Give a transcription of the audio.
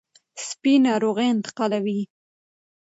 سپي ناروغي انتقالوي.